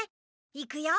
いくよ。